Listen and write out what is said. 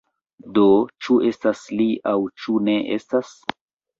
Do, ĉu estas li aŭ ĉu ne estas?